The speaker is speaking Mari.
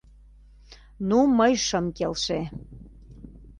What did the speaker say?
Ну, мый шым келше.